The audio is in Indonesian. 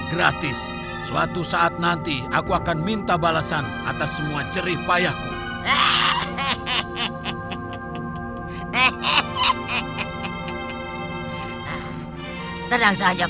gratis suatu saat nanti aku akan minta balasan atas semua cerih payahku dari rakyat